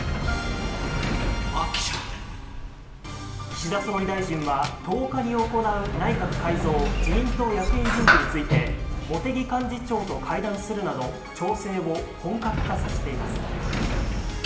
岸田総理大臣は、１０日に行う内閣改造・自民党役員人事について、茂木幹事長と会談するなど、調整を本格化させています。